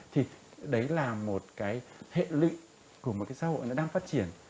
thì đấy là một cái hệ lụy của một cái xã hội nó đang phát triển